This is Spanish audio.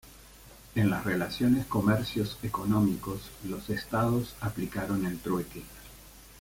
En las relaciones comercios económicos los estados aplicaron el trueque.